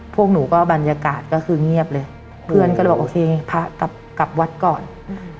พวกหนูก็บรรยากาศก็คือเงียบเลยเพื่อนก็เลยบอกโอเคพระกลับกลับวัดก่อนอืม